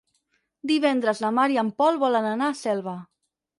Divendres na Mar i en Pol volen anar a Selva.